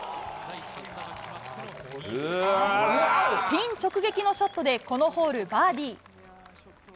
ピン直撃のショットで、このホール、バーディー。